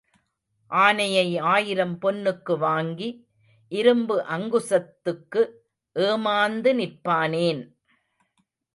ஆனையை ஆயிரம் பொன்னுக்கு வாங்கி இரும்பு அங்குசத்துக்கு ஏமாந்து நிற்பானேன்?